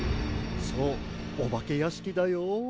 そうおばけやしきだよ。